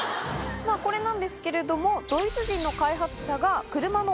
これなんですけれども。